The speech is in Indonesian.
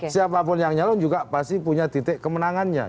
siapapun yang nyalon juga pasti punya titik kemenangannya